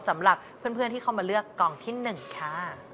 สำหรับเพื่อนที่เข้ามาเลือกกล่องที่๑ค่ะ